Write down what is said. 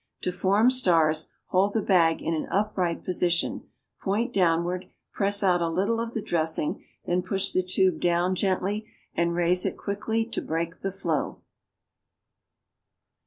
To form stars, hold the bag in an upright position, point downward, press out a little of the dressing, then push the tube down gently, and raise it quickly to break the flow.